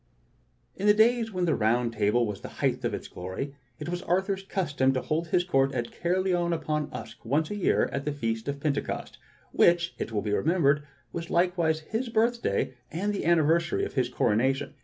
' *J|[N the days when the Round Table was at the height of its \m glory, it was Arthur's custom to hold his court at Caerleon ^ Upon Usk once a year at the Feast of Pentecost, which, it will be remembered, was likewise his birthday and the anniversary of his coronation.